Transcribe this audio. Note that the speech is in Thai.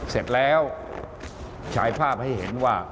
เสร็จแล้วฉายภาพให้เห็นว่า